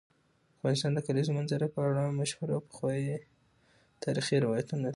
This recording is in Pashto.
افغانستان د کلیزو منظره په اړه مشهور او پخواي تاریخی روایتونه لري.